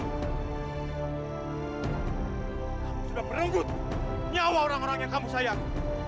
kamu sudah menunggut nyawa orang orang yang kamu sayang